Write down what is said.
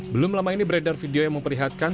belum lama ini beredar video yang memperlihatkan